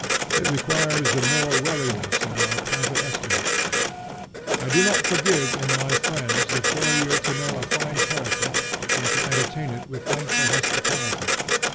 It requires the more wariness in our private estimates. I do not forgive in my friends the failure to know a fine character and to entertain it with thankful hospitality.